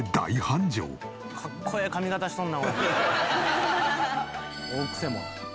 「かっこええ髪形しとんな」